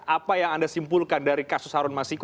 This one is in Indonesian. apa yang anda simpulkan dari kasus harun masiku